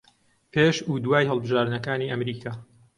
پێش و دوای هەڵبژاردنەکانی ئەمریکا